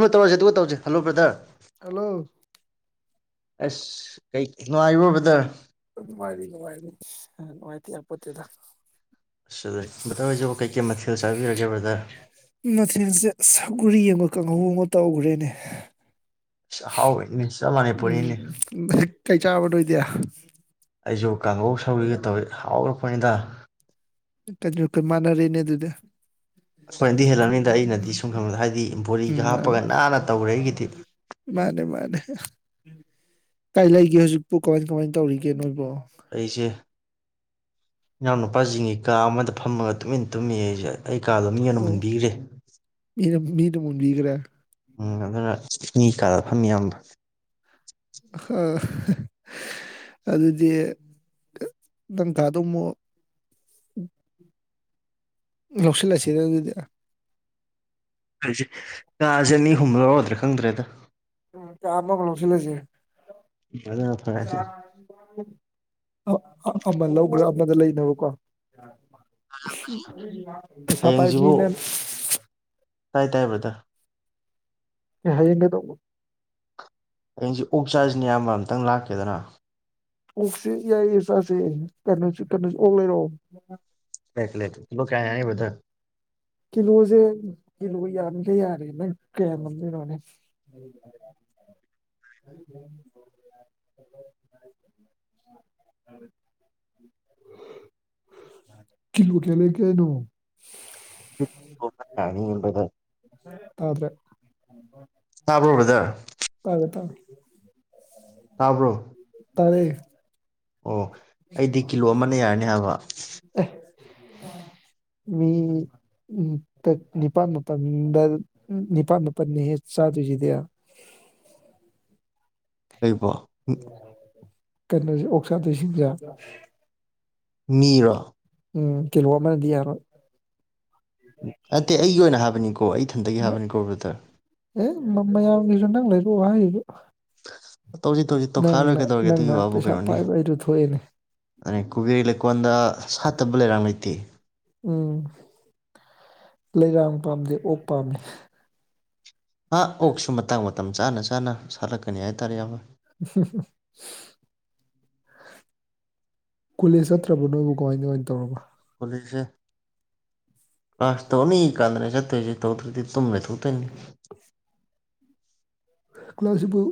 ꯨ [inaudible] ꯇꯧꯔꯖꯦ ꯑꯗꯨꯒ ꯇꯧꯔꯖꯦ ꯍꯜꯂꯣ ꯑꯁ ꯀꯩ ꯅꯨꯡꯉꯥꯏꯔꯤꯕꯣ ꯕꯔꯗꯔ ꯅꯨꯡꯉꯥꯏꯔꯤ ꯅꯨꯡꯉꯥꯏꯔꯤ ꯎꯝ ꯅꯨꯡꯉꯥꯏꯇ ꯌꯥꯄꯣꯇꯦꯗ [inaudible] ꯃꯇꯥꯎꯍꯣꯏꯖꯨ ꯀꯩꯀꯩ ꯃꯊꯦꯜ ꯆꯥꯕꯤꯔꯒꯦ ꯕꯔꯗꯔ ꯃꯑꯣꯡ ꯑꯃ ꯇꯧꯈ꯭ꯔꯦꯅꯦ ꯑꯁ ꯑꯍꯥꯎꯕꯅꯤꯅꯦ [inaudible] ꯆꯞꯃꯅꯩ ꯎꯝ ꯄꯣꯔꯩꯔꯩ ꯀꯩ ꯆꯥꯔꯕ ꯅꯣꯏꯗꯤ ꯑꯩꯖꯨ ꯀꯥꯡꯍꯧ ꯁꯧꯒ꯭ꯔꯤꯒ ꯇꯧꯏ ꯍꯥꯎꯒ꯭ꯔꯄꯣꯠꯅꯤꯗ [inaudible] ꯃꯥꯅꯔꯦꯅꯦ ꯑꯗꯨꯗꯤ ꯁꯣꯏꯟꯅꯗꯤ ꯍꯦꯂꯝꯅꯤꯗ ꯑꯩꯅꯗꯤ [inaudible] ꯍꯥꯏꯗꯤ ꯕꯣꯔꯤꯒ ꯎꯝ ꯃꯥꯅꯦ ꯍꯥꯞꯄꯒ ꯅꯥꯟꯅ ꯇꯧꯔꯦ ꯑꯩꯒꯤꯗꯤ ꯊ [inaudible] ꯃꯥꯅꯦ ꯃꯥꯅꯦ ꯀꯥꯏ ꯂꯩꯒꯦ ꯍꯧꯖꯤꯛꯄꯨ ꯀꯃꯥꯏ ꯀꯃꯥꯏ ꯇꯧꯔꯤꯒꯦ ꯅꯣꯏꯕꯣ ꯑꯩꯁꯦ ꯏꯅꯥꯎ ꯅꯨꯨꯄꯥꯖꯤꯡꯒꯤ ꯀꯥ ꯑꯃꯗ ꯐꯝꯃꯒ ꯇꯨꯃꯤꯟ ꯇꯨꯝꯃꯤ ꯑꯩꯖꯦ ꯑꯩ ꯀꯥꯗꯣ ꯃꯤꯅ ꯃꯨꯟꯕꯤꯒ꯭ꯔꯦ ꯃꯤꯗꯣ ꯃꯨꯟꯕꯤꯒ꯭ꯔꯦ ꯎꯝ ꯑꯗꯨꯅ ꯃꯤ ꯀꯥꯗ ꯐꯝꯃꯤ ꯏꯌꯥꯝꯕ ꯑꯗꯨꯗꯤ ꯅꯪ ꯊꯥꯗꯣ ꯑꯃꯨꯛ ꯂꯧꯁꯤꯜꯂꯁꯤꯅ ꯑꯗꯨꯗꯤ ꯑꯩꯁꯦ ꯀꯥꯁꯦ ꯑꯅꯤꯍꯨꯝ ꯂꯧꯔꯗ꯭ꯔꯥ ꯈꯪꯗ꯭ꯔꯦꯗ ꯎꯨꯝ ꯀꯥ ꯑꯃꯃꯨꯛ ꯂꯧꯖꯤꯜꯂꯁꯤ ꯑꯗꯨꯅ ꯐꯔꯅꯤ ꯆꯥꯛ ꯑꯃ ꯂꯧꯒ꯭ꯔꯦ ꯑꯃꯗꯤ ꯂꯩꯅꯕ ꯀꯣ ꯄꯩꯁꯥ ꯄꯥꯏꯕꯅꯤꯅ ꯇꯥꯏ-ꯇꯥꯏ ꯕꯔꯗꯔ ꯑꯦ ꯍꯩꯖꯤꯟꯒꯗꯧꯅꯤ ꯍꯌꯦꯡꯁꯤ ꯑꯣꯛ ꯆꯥꯁꯤꯅ ꯏꯌꯥꯝꯕ ꯑꯝꯇꯪ ꯂꯥꯛꯀꯦꯗꯅ ꯑꯣꯛꯁꯦ ꯌꯥꯏꯌꯦ ꯆꯥꯁꯦ ꯀꯩꯅꯣꯁꯨ ꯀꯩꯅꯣ ꯑꯣꯛ ꯂꯩꯔꯛꯑꯣ ꯂꯩꯔꯛꯀꯦ ꯀꯤꯂꯣ ꯀꯌꯥ ꯌꯥꯅꯤ ꯕꯗꯔ ꯀꯤꯂꯣꯁꯦ ꯌꯥꯝꯃꯤꯈꯩ ꯌꯥꯔꯦ ꯅꯪ ꯀꯌꯥ ꯉꯝꯗꯣꯏꯅꯣꯅꯦ ꯀꯤꯂꯣ ꯀꯌꯥ ꯂꯩꯔꯛꯇꯣꯏꯅꯣ ꯍꯨꯝꯅ ꯌꯥꯅꯤ ꯕꯗꯔ ꯇꯥꯗ꯭ꯔꯦ ꯂꯣ-ꯕꯗꯔ ꯇꯥꯔꯦ ꯇꯥꯔꯦ ꯇꯕ꯭ꯔꯣ ꯇꯥꯏꯌꯦ ꯑꯣ ꯑꯩꯗꯤ ꯀꯤꯂꯣ ꯑꯃꯅ ꯌꯥꯔꯅꯤ ꯍꯥꯏꯕ ꯃꯤ ꯎꯝ ꯇꯦ-ꯅꯤꯄꯥꯥꯟ ꯃꯥꯄꯟꯗ ꯅꯤꯄꯥꯥꯟ ꯃꯥꯄꯟꯅꯤꯍꯦ ꯆꯥꯗꯣꯏꯁꯤꯗꯤ [unintelligible] ꯀꯩꯅꯣꯁꯦ ꯑꯣꯛ ꯆꯥꯗꫭꯏꯁꯤꯡ ꯁꯤꯡꯁꯦ ꯃꯤꯔꯣ ꯎꯝ ꯀꯤꯂꯣ ꯑꯃꯅꯗꯤ ꯌꯥꯔꯣꯏ ꯅꯠꯇꯦ ꯑꯩꯒꯤ ꯑꯣꯏꯅ ꯍꯥꯏꯕꯅꯤꯀꯣ ꯑꯩ ꯏꯊꯟꯗꯒꯤ ꯍꯥꯏꯕꯅꯤꯀꯣ ꯕ꯭ꯔꯗꯔ ꯃ-ꯃꯌꯥꯝꯒꯤꯁꯨ ꯅꯪ ꯂꯩꯔꯛꯑꯣ ꯍꯥꯏꯔꯤꯕ ꯇꯧꯁꯤ ꯇꯧꯁꯤ ꯇꯧꯈꯥꯏꯔ ꯂꯣꯏꯔꯦ ꯀꯩꯗꯧꯔꯒꯦ ꯑꯗꯨꯒꯤ ꯅꯪꯅ-ꯅꯪꯅ ꯄꯩꯁꯥ ꯄꯥꯏꯕ ꯍꯥꯏꯗꯨ ꯊꯣꯛꯑꯦꯅꯦ ꯑꯩ ꯀꯨꯕꯦꯔꯒꯤ ꯂꯩꯀꯣꯜꯗ ꯁꯥꯠꯇꯕ ꯂꯩꯔꯥꯡ ꯂꯩꯇꯦ ꯎꯝ ꯂꯩꯔꯥꯡ ꯄꯥꯝꯗꯦ ꯑꯣꯛ ꯄꯥꯝꯃꯤ ꯍꯥ ꯍꯥ ꯑꯣꯛꯁꯨ ꯃꯇꯥꯡ ꯃꯇꯝ ꯆꯥꯅ ꯆꯥꯅ ꯁꯥꯠꯂꯛꯀꯅꯤ ꯍꯥꯏꯇꯥꯔꯦ ꯏꯌꯥꯝꯕ ꯀꯣꯂꯦꯖ ꯆꯠꯇ꯭ꯔꯕ ꯅꯣꯏꯕꯨ ꯀꯃꯥꯏ ꯀꯃꯥꯏꯅ ꯇꯧꯔꯕ ꯑꯁꯦ ꯀꯂꯥꯁ ꯇꯧꯅꯤ ꯀꯥꯟꯗꯅꯦ ꯆꯠꯇꯇꯩꯁꯤ ꯊꯧꯗ꯭ꯔꯗꯤ- ꯇꯨꯝ ꯂꯩꯊꯣꯛꯇꯣꯏꯅꯤ ꯀ꯭ꯂꯥꯁꯁꯤꯕꯨ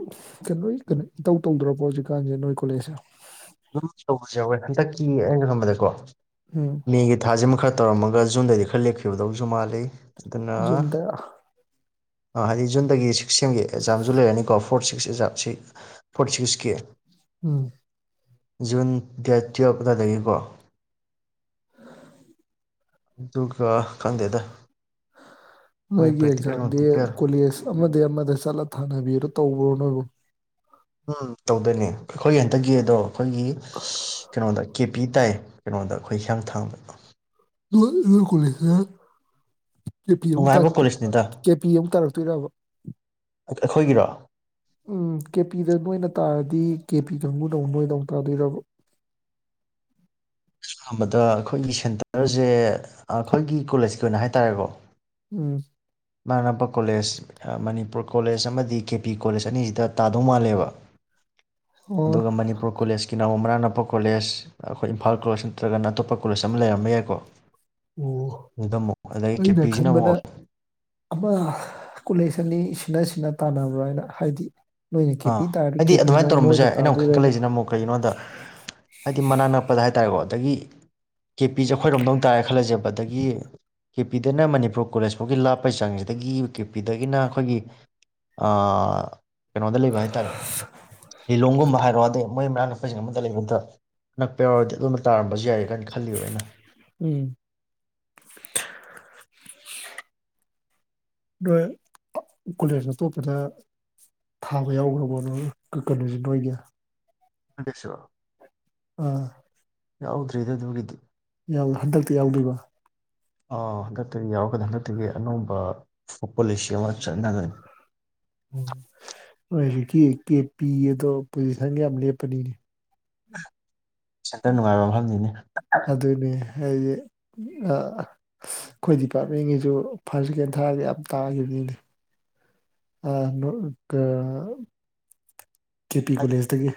ꯀꯩꯅꯣ-ꯀꯩꯅꯣ ꯏꯇꯧ ꯇꯧꯗ꯭ꯔꯕꯣ ꯍꯧꯖꯤꯛꯀꯥꯟꯁꯦ ꯅꯣꯏ ꯀꯣꯂꯦꯖꯁꯦ ꯎꯝ ꯇꯧꯕꯁꯨ ꯌꯥꯎꯋꯦ ꯍꯟꯗꯛꯀꯤ ꯑꯩꯅ ꯈꯪꯕꯗꯀꯣ ꯎꯝ ꯃꯦꯒꯤ ꯊꯥꯖꯤꯃ ꯈꯔ ꯇꯧꯔꯝꯃꯒ ꯖꯨꯟꯗꯩꯗꯤ ꯈꯔ ꯂꯦꯞꯈꯤꯕꯗꯧꯁꯨ ꯃꯥꯜꯂꯤ ꯖꯨꯟꯗ ꯑꯥ ꯍꯥꯏꯗꯤ ꯖꯟꯗꯗꯒꯤ ꯁꯤ- ꯁꯦꯝꯒꯤ ꯑꯦꯛꯖꯥꯝꯁꯨ ꯂꯩꯔꯅꯤꯀꯣ ꯐꯣꯔ ꯁꯤꯛꯁ ꯁꯤ ꯐꯛꯁꯤꯛꯁꯀꯤ ꯑꯨꯝ ꯖꯨꯟ ꯗꯦꯠ ꯇꯨꯌꯦꯜꯞ ꯑꯗꯥꯏꯗꯩ ꯅꯤꯀꯣ [inaudible] ꯈꯪꯗꯦꯗ ꯃꯣꯏ ꯅꯣꯏꯒꯤ ꯄ꯭ꯔꯦꯛꯇꯤꯀꯦꯜ ꯑꯦꯛꯖꯥꯝꯗꯤ ꯅꯨꯡꯇꯤꯀꯦꯜ ꯀꯣꯂꯦꯖ ꯑꯃꯗꯩ ꯑꯃꯗ ꯆꯠꯂ ꯊꯥꯅꯕꯤꯗꯣ ꯇꯧꯕ꯭ꯔꯣ ꯅꯣꯏꯕꯨ? ꯎꯝ ꯇꯧꯗꯣꯏꯅꯦ ꯑꯩꯈꯣꯏ ꯍꯟꯇꯛꯒꯤ ꯒꯦꯗꯣ ꯑꯩꯈꯣꯏꯒꯤ ꯀꯩꯅꯣꯗ ꯀꯦ ꯄꯤ ꯇꯥꯏ ꯀꯩꯅꯣꯗ ꯑꯩꯈꯣꯏ ꯍꯤꯌꯥꯥꯡꯊꯥꯡꯗ ꯅꯪꯒꯤꯅ ꯀꯣꯂꯦꯖꯀꯥ ꯀꯦꯄꯤ ꯑꯃꯨꯛ ꯇꯥ ꯅꯨꯡꯉꯥꯏꯕ ꯀꯣꯂꯦꯖꯅꯤꯗ ꯀꯦ ꯄꯤ ꯑꯃꯨꯛ ꯇꯥꯔꯛꯇꯣꯏꯔꯕ ꯑꯩꯈꯣꯏꯒꯤꯔꯣ? ꯎꯝ ꯀꯦ ꯄꯤꯗ ꯅꯣꯏꯅ ꯇꯥꯔꯗꯤ ꯀꯦ ꯄꯤ ꯀꯥꯡꯕꯨꯅ ꯑꯃꯨꯛ ꯅꯣꯏꯗ ꯑꯃꯨꯛ ꯇꯥꯗꯣꯏꯔꯕ? ꯑꯍꯥꯟꯕꯗ ꯑꯩꯈꯣꯏꯒꯤ ꯁꯦꯟꯇꯔꯖꯦ ꯑꯩꯈꯣꯏꯒꯤ ꯀꯣꯂꯦꯖ ꯑꯗꯨꯅ ꯍꯥꯏꯇꯥꯔꯦꯀꯣ ꯎꯝ ꯃꯅꯥꯛ ꯅꯛꯄ ꯀꯣꯂꯦꯖ ꯃꯅꯤꯄꯨꯔ ꯀꯣꯂꯦꯖ ꯑꯃꯗꯤ ꯀꯦ ꯄꯤ ꯀꯣꯂꯦꯖ ꯑꯅꯤꯁꯤꯗ ꯇꯥꯗꯧ ꯃꯥꯜꯂꯦꯕ ꯑꯣ ꯑꯗꯨꯒ ꯃꯅꯤꯄꯨꯔ ꯀꯣꯂꯦꯖꯀꯤ ꯅ ꯑꯃꯨꯛ ꯃꯅꯥꯛ ꯅꯛꯄ ꯑꯇꯣꯞꯄ ꯀꯣꯂꯦꯖ ꯑꯩꯈꯣꯏ ꯏꯝꯐꯥꯜ ꯀꯣꯂꯦꯖ ꯅꯠꯇ꯭ꯔꯒꯅ ꯑꯇꯣꯞꯄ ꯀꯣꯂꯦꯖ ꯑꯃ ꯂꯩꯔꯝꯕ ꯌꯥꯏꯀꯣ꯫ ꯑꯣ ꯑꯗꯨꯗ ꯑꯃꯨꯛ ꯑꯗꯩꯒꯤ ꯀꯦꯄꯤꯁꯤꯅ ꯑꯩꯅꯈꯟꯕꯅ ꯑꯃꯨꯛ ꯑꯃ ꯀꯣꯂꯦꯖ ꯑꯅꯤ ꯁꯤꯟꯅ ꯁꯤꯟꯅ ꯇꯥꯟꯅꯕ꯭ꯔꯅ ꯍꯥꯏꯗꯤ ꯅꯣꯏꯅ ꯀꯦꯄꯤ ꯑꯥ ꯇꯥꯔꯗꯤ ꯍꯥꯏꯗꯤ ꯀꯦꯄꯤꯅ ꯑꯗꯨꯃꯥꯏꯅ ꯑꯃꯨꯛ ꯇꯧꯔꯝꯕꯁꯨ ꯅꯣꯏꯗ ꯌꯥꯏ ꯑꯩꯅ ꯑꯃꯨꯛ ꯇꯥꯗꯣꯏꯔꯅ ꯈꯟꯀꯠꯂꯛꯏꯁꯤꯅ ꯑꯃꯨꯛ ꯀꯩꯒꯤꯅꯣꯗ ꯍꯥꯏꯗꯤ ꯃꯅꯥꯛ ꯅꯛꯄꯗ ꯍꯥꯏꯇꯥꯔꯦꯀꯣ ꯗꯒꯤ ꯀꯦꯄꯤꯁꯦ ꯑꯩꯈꯣꯏꯔꯣꯝꯗ ꯑꯃꯨꯛ ꯇꯥꯏꯔꯦꯅ ꯈꯜꯂꯁꯦꯕ ꯑꯗꯒꯤ ꯀꯦꯄꯤꯗꯅ ꯃꯅꯤꯄꯨꯔ ꯀꯣꯂꯦꯖ ꯐꯥꯎꯒꯤ ꯂꯥꯞꯄꯒꯤ ꯆꯥꯡꯁꯤꯗꯒꯤ ꯀꯦ ꯄꯤꯗꯒꯤꯅ ꯑꯩꯈꯣꯏꯒꯤ ꯀꯩꯅꯣꯗ ꯂꯩꯕ ꯍꯥꯏꯇꯥꯔꯦ ꯂꯤꯂꯣꯡꯒꯨꯝꯕ ꯍꯥꯏꯔꯛꯑꯣꯗꯨꯝ ꯃꯣꯏ ꯅꯛꯄꯁꯤꯡꯗ ꯑꯃꯇ ꯂꯩꯕ ꯅꯠꯇ꯭ꯔꯣ ꯅꯛꯄ ꯌꯥꯎꯔꯗꯤ ꯑꯗꯨꯝꯗ ꯇꯥꯔꯝꯕꯁꯨ ꯌꯥꯏ ꯀꯥꯏꯅ ꯈꯜꯂꯤꯕ ꯑꯩꯅ ꯎꯝ ꯅꯣꯏ ꯀꯣꯂꯦꯖ ꯑꯇꯣꯞꯄꯗ ꯊꯥꯕ ꯌꯥꯎꯈ꯭ꯔꯕꯣ ꯅꯣꯏ ꯀꯩꯅꯣꯁꯦ ꯅꯣꯏꯒꯤ ꯑꯟꯇꯦꯁ [unintelligible] ꯑꯥ ꯌꯥꯎꯗ꯭ꯔꯤꯗꯥ ꯑꯗꯨꯒꯤꯗꯤ ꯌꯥꯎꯏ ꯍꯟꯗꯛꯇꯤ ꯌꯥꯎꯗꯣꯏꯕ ꯑꯥ ꯍꯟꯗꯛꯇꯒꯤ ꯌꯥꯎꯔꯛꯀꯅꯤ ꯍꯟꯗꯛꯇꯒꯤ ꯑꯅꯧꯕ ꯄꯣꯂꯤꯁꯤ ꯑꯃ ꯆꯠꯅꯒꯅꯤ ꯎꯝ ꯅꯣꯏ ꯍꯧꯖꯤꯛꯀꯤ ꯀꯦ ꯄꯤ ꯑꯗꯣ ꯄꯣꯖꯤꯁꯟꯒ ꯌꯥꯝ ꯂꯦꯞꯄꯅꯤꯅꯦ ꯁꯦꯟꯇꯔ ꯅꯨꯡꯉꯥꯏꯕ ꯃꯐꯝꯅꯤꯅꯦ ꯑꯗꯨꯅꯦ ꯍꯥꯏꯗꯤ ꯑꯩꯈꯣꯏ ꯗꯤꯄꯥꯔꯠꯃꯦꯟꯒꯤꯁꯨ ꯐꯥꯔꯁ ꯁꯦꯀꯦꯟ ꯊꯥꯔꯗꯤ ꯌꯥꯝ ꯇꯥꯈꯤꯕꯅꯤꯅꯦ ꯀꯦ ꯄꯤ ꯀꯣꯂꯦꯖꯇꯒꯤ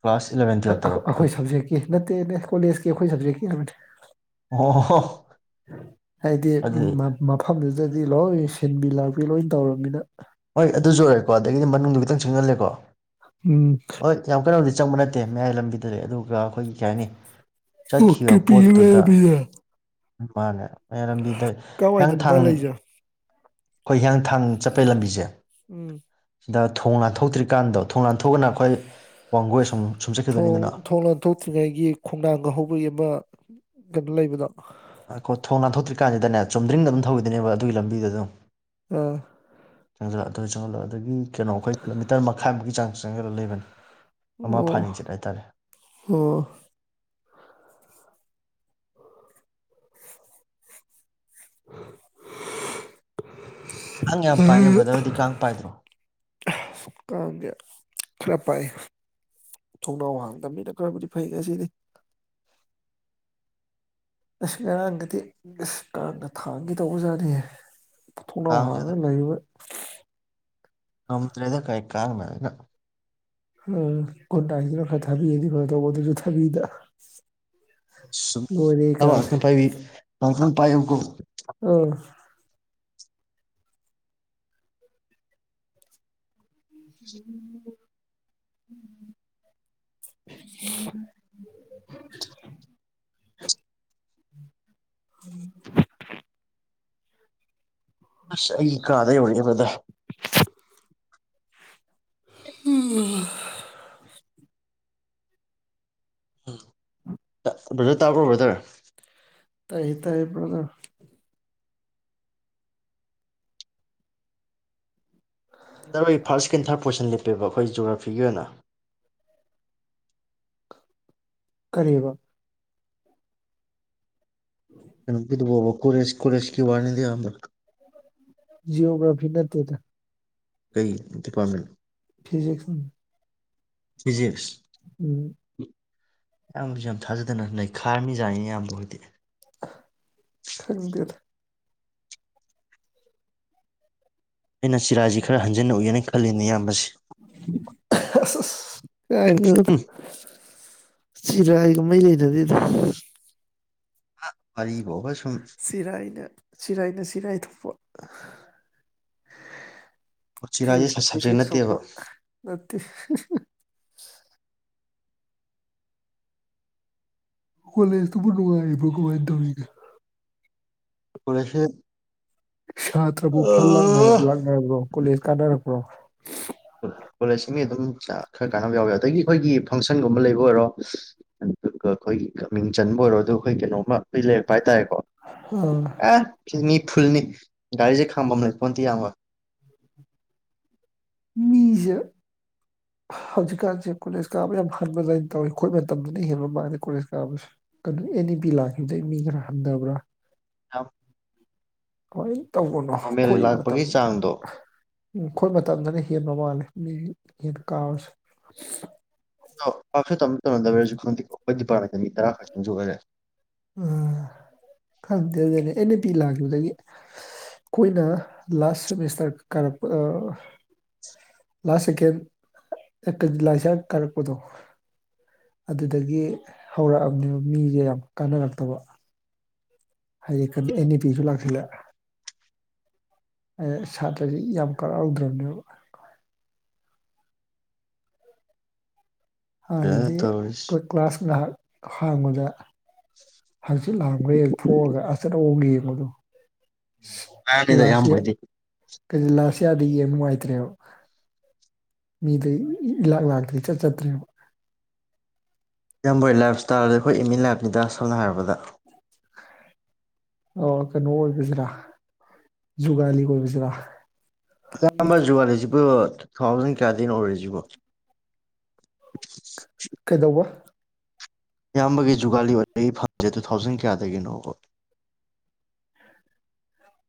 ꯑꯥ ꯑꯩꯈꯣꯏ ꯁꯕꯖꯦꯛꯀꯤ ꯅꯠꯇꯦꯅꯦ ꯀꯣꯂꯦꯖꯀꯤ ꯑꯩꯈꯣꯏ ꯁꯞꯖꯦꯛꯀꯤ ꯑꯣ ꯍꯥꯏꯕꯅꯤ ꯍꯥꯏꯗꯤ ꯑꯗꯨꯗꯤ ꯃꯐꯝꯗꯨ ꯑꯗꯨꯗꯤ ꯂꯣꯏ ꯁꯤꯟꯕꯤ ꯂꯥꯛꯄꯤ ꯂꯣꯏ ꯇꯧꯔꯝꯅꯤꯅ ꯍꯣꯏ ꯑꯗꯨꯖꯨ ꯑꯣꯏꯔꯦꯀꯣ ꯑꯗꯩꯒꯤꯗꯤ ꯃꯅꯨꯡꯗꯨ ꯈꯤꯇꯪ ꯆꯪꯁꯤꯜꯂꯦꯀꯣ ꯎꯝ ꯍꯣꯏ ꯌꯥꯝ ꯀꯟꯅꯕꯨꯗꯤ ꯆꯪꯕ ꯅꯠꯇꯦ ꯃꯌꯥꯏ ꯂꯝꯕꯤꯗ ꯂꯩ ꯑꯗꯨꯒ ꯑꯩꯈꯣꯏꯒꯤ ꯀꯩ ꯍꯥꯏꯅꯤ ꯆꯠꯈꯤꯕ ꯑꯣꯀꯦ [inaudible] ꯄꯣꯠꯇꯨꯗ ꯃꯥꯅꯦ ꯃꯌꯥꯏ ꯂꯝꯕꯤꯗ ꯀꯥꯏꯋꯥꯏꯗꯅꯣ ꯃꯥ ꯍꯤꯌꯥꯡꯊꯥꯡ ꯂꯩꯖꯦ ꯑꯩꯈꯣꯏ ꯍꯤꯌꯥꯡꯊꯥꯡ ꯆꯠꯄꯩ ꯂꯝꯕꯤꯁꯦ ꯎꯝ ꯗ ꯊꯣꯡ ꯅꯥꯥꯟꯊꯣꯛꯇ꯭ꯔꯤꯀꯥꯟꯗꯣ ꯊꯣꯡ ꯂꯥꯟꯊꯣꯛꯑꯒꯅ ꯑꯩꯈꯣꯏ ꯋꯥꯡꯒꯣꯏ ꯁꯨꯝ ꯁꯨꯝ ꯊꯣꯡ ꯆꯠꯈꯤꯗꯣꯏꯅꯤꯗꯅ ꯊꯣꯡ ꯂꯥꯟꯊꯣꯛꯇ꯭ꯔꯤꯉꯩꯒꯤ ꯈꯣꯡꯅꯥꯡꯒ ꯍꯧꯕꯩ ꯑꯃ ꯀꯩꯅꯣ ꯂꯩꯕꯗꯣ ꯑꯥ ꯀꯣ ꯊꯣꯡ ꯅꯥꯟꯊꯣꯛꯇ꯭ꯔꯤ ꯀꯥꯟꯗꯅꯦ ꯆꯨꯝꯗ꯭ꯔꯤꯡ ꯑꯗꯨꯝ ꯊꯧꯒꯤꯗꯨꯅꯦꯕ ꯑꯗꯨꯒꯤ ꯂꯝꯕꯤꯗꯨꯗ ꯑꯥ ꯑꯗꯒꯤ ꯀꯩꯅꯣ ꯑꯩꯈꯣꯏ ꯀꯤꯂꯣꯃꯤꯇꯔ ꯃꯈꯥꯏꯃꯨꯛꯀꯤ ꯆꯥꯡ ꯆꯪꯁꯤꯜꯂꯒ ꯂꯩꯕꯅꯤ ꯑꯣ ꯑꯣ [inaudible] ꯀꯥꯡ ꯌꯥꯝ ꯄꯥꯏꯅꯦ ꯕ꯭ꯔꯗꯔ ꯍꯣꯏꯗꯤ ꯀꯥꯡ ꯄꯥꯏꯗ꯭ꯔꯣ [inaudible] ꯈꯔ ꯄꯥꯏ ꯊꯣꯡꯅꯥꯎ ꯍꯥꯡꯗꯕ ꯃꯤꯅ ꯈꯔꯕꯨꯗꯤ ꯐꯩ ꯉꯁꯤꯗꯤ ꯑꯁ ꯉꯔꯥꯡꯒꯗꯤ ꯑꯁ ꯀꯥꯡꯅ ꯊꯥꯡꯒꯦ ꯇꯧꯕꯖꯥꯠꯅꯤꯍꯦ ꯊꯣꯡꯅꯥꯎ ꯀꯥꯡꯁꯦ ꯑꯗꯨ ꯍꯥꯡꯉꯒ ꯂꯩꯥꯏꯕ ꯉꯝꯗ꯭ꯔꯦꯗ ꯀꯥꯏ ꯀꯥꯡ ꯃꯌꯥꯝꯁꯤꯅ ꯑ ꯒꯨꯠꯅꯥꯏꯠꯁꯤꯅ ꯈꯔ ꯊꯥꯕꯤꯔꯗꯤ ꯐꯗꯧꯕ ꯑꯗꯨꯁꯨ ꯊꯥꯕꯤꯗꯦ ꯁꯨꯝ ꯏꯌꯥꯝꯕ ꯉꯥꯛꯇꯡ ꯄꯥꯏꯕꯤ ꯉꯥꯛꯇꯡ [unintelligible] ꯄꯥꯏꯌꯨꯀꯣ ꯑꯥ [inaudible] ꯎꯝ [inaudible] ꯑꯁ ꯑꯩ ꯀꯥꯗ ꯌꯧꯔꯛꯑꯦ ꯕꯔꯗꯔ [inaudible] [inaudible] ꯕ꯭ꯔꯗꯔ ꯇꯥꯕ꯭ꯔꯣ ꯕꯔꯗꯔ ꯇꯥꯏꯌꯦ ꯇꯥꯏꯌꯦ ꯕꯔꯗꯔ ꯇꯔꯣꯏ ꯐꯥꯔꯁ, ꯁꯀꯦꯟ, ꯊꯔꯠ ꯄꯣꯁꯟ ꯂꯦꯞ ꯌꯦꯕ ꯑꯩꯈꯣꯏ ꯖꯣꯒ꯭ꯔꯥꯐꯤꯒꯤ ꯑꯣꯏꯅ ꯀꯥꯔꯤꯕ ꯀꯣꯅꯣꯒꯤꯗꯨꯕꯣꯕ ꯀꯣꯂꯦꯖ-ꯀꯣꯂꯦꯖꯀꯤ ꯋꯥꯅꯤꯗ ꯏꯌꯥꯝꯕ ꯖꯤꯑꯣꯒ꯭ꯔꯥꯐꯤ ꯅꯠꯇꯦꯗ ꯀꯩ ꯗꯤꯄꯥꯔꯗꯃꯦꯟꯅꯣ ꯐꯤꯖꯤꯛꯁ ꯎꯨꯝ ꯐꯤꯖꯤꯛꯁ- ꯎꯨꯝ ꯏꯌꯥꯝꯕꯁꯨ ꯌꯥꯝ ꯊꯥꯖꯗꯅ ꯅꯩꯈꯥꯏꯔꯝꯃꯤꯖꯥꯅꯤ ꯏꯌꯥꯝꯕ ꯈꯣꯏꯗꯤ ꯈꯪꯗꯦꯗ ꯑꯩꯅ ꯆꯤꯔꯥꯏꯁꯤ ꯈꯔ ꯍꯟꯖꯤꯟꯅ ꯎꯏꯌꯦꯅ ꯈꯜꯂꯤꯅꯦ ꯏꯌꯥꯝꯕꯁꯤ ꯑ-ꯍ-ꯑꯁ-ꯀꯥꯏꯗꯩꯅꯗ ꯍꯨꯝ ꯆꯤꯔꯥꯏꯒ ꯃꯥꯔꯤ ꯂꯩꯅꯗꯤꯗ ꯑꯥ ꯋꯥꯔꯤꯕꫭꯕꯥ ꯁꯨꯝ ꯆꯤꯔꯥꯏꯅ ꯆꯤꯔꯥꯏꯅ ꯆꯤꯔꯥꯏ ꯊꯣꯛꯄ ꯑꯍ ꯍꯥ ꯆꯤꯔꯥꯏꯁꯦ ꯐꯤꯖꯤꯛꯁꯅ ꯁꯕꯖꯦꯛ ꯐꯤꯖꯤꯛꯁ ꯅꯠꯇꯦꯕ ꯊꯣꯛꯄ ꯅꯠꯇꯦ ꯍꯥ ꯍꯥ ꯀꯣꯂꯦꯖꯇꯨꯕꯨ ꯅꯨꯡꯉꯥꯏꯔꯤꯕꯣ ꯀꯃꯥꯏꯅ ꯇꯧꯔꯤꯒꯦ ꯀꫭꯂꯦꯖꯁꯤ ꯁꯥꯇ꯭ꯔꯕꯨ ꯐꯜ ꯂꯥꯛꯅ-ꯂꯥꯛꯅꯔꯕ꯭ꯔꯣ ꯀꯣꯂꯦꯖ ꯀꯥꯟꯅꯔꯕꫭ ꯑꯣ‌ꯁꯤꯠ- ꯀꯣꯂꯦꯖ ꯃꯤ ꯑꯗꯨꯝ ꯆꯥꯡ ꯈꯔ ꯀꯥꯟꯅꯕ ꯌꯥꯎꯋꯤ ꯑꯗꯒꯤ ꯑꯩꯈꯒꯤ ꯐꯪꯁꯟ ꯁꯟꯒꯨꯝꯕ ꯂꯩꯕ ꯑꯣꯏꯔꯣ ꯑꯗꯨꯒ ꯑꯩꯈꯣꯏꯒꯤ ꯃꯤꯡ ꯆꯟꯕ ꯑꯣꯏꯔꯣ ꯑꯗꯨ ꯑꯩꯈꯣꯏ ꯀꯩꯅꯣ ꯄꯤ ꯂꯩꯔꯛꯄ ꯍꯥꯏ ꯇꯥꯔꯦꯀꯣ ꯑꯦ ꯐꯤꯅꯤ ꯐꯨꯜꯅꯤ ꯒꯥꯔꯤꯁꯦ ꯈꯥꯡꯐꯝ ꯂꯩꯄꯣꯟꯢꯇꯦ ꯏꯌꯥꯝꯕ ꯃꯤꯁꯦ ꯍꯧꯖꯤꯛꯀꯥꯟꯁꯦ ꯀꯣꯂꯦꯖ ꯀꯥꯕ ꯌꯥꯝ ꯍꯟꯕ ꯑꯗꯨꯃꯥꯏꯅ ꯇꯧꯋꯤ ꯑꯩꯈꯣꯏ ꯃꯇꯝꯗꯅ ꯍꯦꯟꯕ ꯃꯜꯂꯦ ꯀꯣꯂꯦꯖ ꯀꯥꯕꯁꯦ ꯀꯩꯅꯣ ꯑꯦꯟ-ꯏ-ꯄꯤ ꯂꯥꯛꯈꯤꯕꯗꯒꯤ ꯃꯤ ꯈꯔ ꯍꯟꯊꯕ꯭ꯔ ꯌꯥꯎ- ꯍꯣꯏꯇ ꯇꯧꯕꯅꯣ ꯑꯈꯣꯏ ꯃꯇꯝ ꯂꯥꯛꯄꯒꯤ ꯆꯥꯡꯗꯣ ꯑꯥ- ꯎꯨꯝ ꯈꯣꯏꯃ- ꯇꯝꯗꯅ ꯍꯦꯟꯕ ꯃꯥꯜꯂꯦ ꯃꯤ ꯍꯦꯟꯅ ꯀꯥꯕꯁꯨ ꯂꯩꯔꯝꯗꯔꯁꯨ ꯈꯪꯗꯦꯀꯣ ꯑꯩꯈꯣꯏ ꯗꯤꯄꯥꯔꯠꯃꯦꯟꯇ ꯃꯤ ꯇꯔꯥ ꯈꯛꯇꯪꯁꯨ ꯑꯣꯏꯔꯦ ꯎꯨꯝ-ꯈꯪꯗꯦ ꯑꯗꯨꯗꯤ ꯑꯦꯟ-ꯑꯦ-ꯄꯤ ꯂꯥꯛꯈꯤꯕꯗꯒꯤ ꯑꯩꯈꯣꯏꯅ ꯂꯥꯁ ꯁꯦꯃꯤꯁꯇꯔ ꯀꯥꯔꯛꯄ ꯑꯥ- ꯂꯥꯁ ꯁꯦꯀꯦꯟ ꯑꯦꯕꯤꯂꯥꯏꯁꯔ ꯀꯥꯔꯛꯄꯗꯣ ꯑꯗꯨꯗꯒꯤ ꯍꯧꯔꯛꯑꯕꯅꯦꯕ ꯃꯤꯖꯦ ꯌꯥꯝ ꯀꯥꯟꯅꯔꯛꯇꯣꯕ ꯍꯥꯏꯗꯤ ꯀ ꯑꯦꯟ-ꯏ-ꯄꯤꯁꯨ ꯂꯥꯛꯁꯤꯜꯂꯦ ꯁꯥꯇ꯭ꯔꯁꯤ ꯌꯥꯝ ꯀꯔꯛꯍꯧꯗ꯭ꯔꯕꯅꯦꯕ ꯐꯖꯅ ꯍꯥꯟꯅꯗꯤ ꯇꯧꯔꯤꯁꯤ ꯀꯂ-ꯀ꯭ꯂꯥꯁ ꯉꯍꯥꯛ ꯑꯍꯥꯡꯕꯗ ꯍꯛꯆꯤꯛ ꯂꯥꯡꯉꯨꯒꯦ ꯊꯣꯛꯑꯒ ꯑꯁꯠ ꯍꯣꯡꯒꯤ ꯃꯗꯨ ꯉꯥꯡꯅꯤꯗ ꯏꯌꯥꯝꯕꯈꯣꯏꯗꯤ ꯀꯔꯤ ꯂꯥꯁ ꯌꯔꯗꯒꯤ ꯌꯦꯡꯕ ꯅꯨꯡꯉꯥꯏꯇ꯭ꯔꯦꯕ ꯃꯤꯗꯤ ꯏꯂꯥꯛ-ꯂꯥꯛꯇ꯭ꯔꯦ ꯏꯆꯠ ꯆꯠꯇ꯭ꯔꯦꯕ ꯏꯌꯥꯝꯕꯈꯣꯏ ꯂꯥꯏꯞ ꯏꯁꯇꯥꯏꯜꯗꯤ ꯑꯩꯈꯣꯏ ꯑꯦꯝ ꯏꯟ ꯂꯥꯏꯞꯅꯤꯗ ꯁꯝꯅ ꯍꯥꯏꯔꯕꯗ ꯑꯣ ꯀꯩꯅꯣ ꯑꯣꯏꯕꯁꯤꯔ ꯖꯨꯒꯥꯂꯤ ꯑꯣꯏꯕꯁꯤꯔ ꯀꯀꯥ ꯑꯃ ꯋꯨꯒꯥꯂꯤꯁꯤꯕꯨ ꯇꯨ ꯊꯥꯎꯖꯟ ꯀꯌꯥꯗꯩꯅꯣ ꯑꯣꯏꯔꯁꯤꯕ ꯀꯩꯗꯧꯕ ꯏꯌꯥꯝꯕꯒꯤ ꯖꯨꯒꯥꯂꯤ ꯑꯣꯏꯕ-ꯒꯤ-ꯐꯪ ꯖꯦ ꯇꯨꯊꯥꯎꯖꯟ ꯀꯌꯥꯗꯒꯤꯅꯣꯕ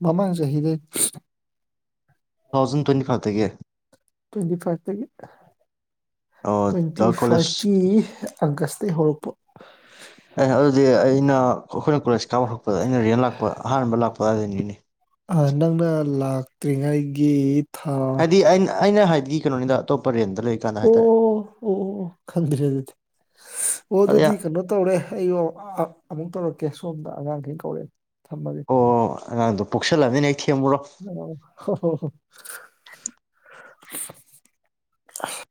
ꯃꯃꯥꯡ ꯆꯍꯤꯗꯩ ꯇꯨꯊꯥꯎꯖꯟ ꯇ꯭ꯋꯦꯟꯇꯤ ꯐꯥꯏꯚꯇꯒꯤ ꯇ꯭ꯋꯦꯟꯇꯤꯐꯥꯏꯚꯇꯒꯤ ꯑꯣ ꯀꯣꯂꯦꯖ ꯇ꯭ꯋꯦꯟꯇꯤꯐꯥꯏꯚꯀꯤ ꯑꯒꯁꯇꯒꯤ ꯍꯧꯔꯛꯄ ꯅ-ꯑꯈꯣꯏꯅ ꯀꯣꯂꯦꯖ ꯍꯧꯔꯛꯄꯗ ꯑꯩꯅ ꯔꯦꯟ ꯂꯥꯛꯄ ꯑꯍꯥꯟꯕ ꯂꯥꯛꯄ ꯋꯥꯗꯣꯏꯅꯤꯅꯦ ꯑꯥ ꯅꯪꯅ ꯂꯥꯛꯇ꯭ꯔꯤꯉꯩꯒꯤ ꯊꯥ ꯍꯥꯏꯗꯤ ꯑꯩꯅ-ꯑꯩꯅ ꯍꯥꯏ ꯒꯤ ꯀꯩꯅꯣꯅꯤꯗ ꯑꯇꯣꯞ ꯔꯦꯟ ꯑꯣ-ꯑꯣ ꯑꯣ-ꯑꯣ ꯈꯪꯗ꯭ꯔꯦ ꯑꯗꯨꯗꯤ ꯑꯗ ꯑꯣ-ꯑꯗꯨꯗꯤ ꯀꯩꯅꯣ ꯇꯧꯔꯦ ꯑꯩ ꯑꯃꯨꯛ ꯇꯧꯔꯛꯀꯦ ꯁꯣꯝꯗ ꯑꯉꯥꯡꯈꯩꯅ ꯀꯧꯔꯛꯑꯦ ꯊꯝꯃꯒꯦ ꯑꯣ ꯑꯉꯥꯡꯗꯣ ꯄꯣꯛꯁꯜꯂꯕꯅꯤꯅ ꯍꯦꯛ ꯊꯦꯝꯃꯨꯔꯣ ꯃ-ꯍꯣ-ꯍꯣ-ꯍꯣ [unintelligible] ꯑꯁ